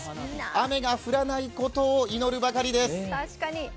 雨が降らないことを祈るばかりです。